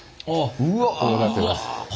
こうなってます。